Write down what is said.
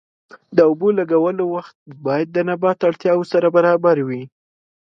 د اوبو د لګولو وخت باید د نبات اړتیاوو سره برابر وي.